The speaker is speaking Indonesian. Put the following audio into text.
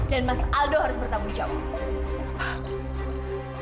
dan mas aldo harus bertanggung jawab